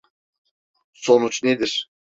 Sonuç nedir?